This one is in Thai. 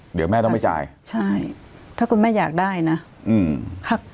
เดี๋ยวแม่ต้องไม่จ่ายใช่ถ้าคุณแม่อยากได้นะอืมครับ